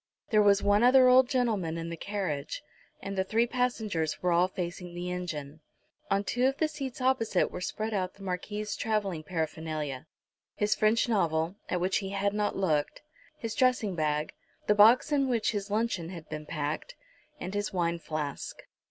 There was one other old gentleman in the carriage, and the three passengers were all facing the engine. On two of the seats opposite were spread out the Marquis's travelling paraphernalia, his French novel, at which he had not looked, his dressing bag, the box in which his luncheon had been packed, and his wine flask.